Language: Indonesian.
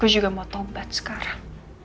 aku juga mau tobat sekarang